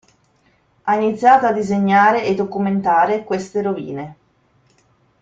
Ha iniziato a disegnare e documentare queste rovine.